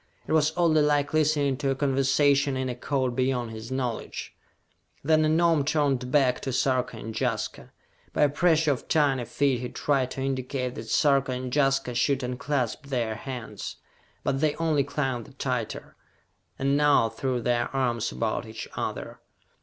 It was oddly like listening to a conversation in a code beyond his knowledge. Then the Gnome turned back to Sarka and Jaska. By a pressure of tiny feet, he tried to indicate that Sarka and Jaska should unclasp their hands. But they only clung the tighter, and now threw their arms about each other.